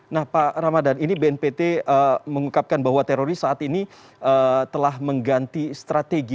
nah pak ramadhan ini bnpt mengungkapkan bahwa teroris saat ini telah mengganti strategi